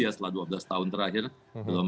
setelah dua belas tahun terakhir belum